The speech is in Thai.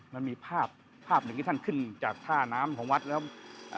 มันมีภาพภาพหนึ่งที่ท่านขึ้นจากท่าน้ำของวัดแล้ว